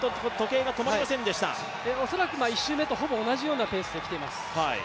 恐らく１周目とほぼ同じようなペースできています。